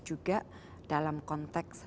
juga dalam konteks